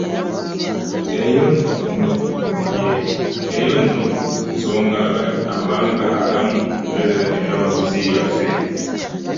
Eyo nno nsonga lwaki amawanga agamu gaazira eby'amaguzi byaffe.